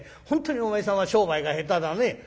「本当にお前さんは商売が下手だね」。